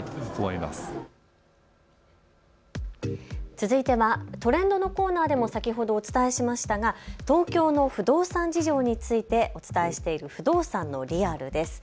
続いてはトレンドのコーナーでも先ほどお伝えしましたが東京の不動産事情についてお伝えしている不動産のリアルです。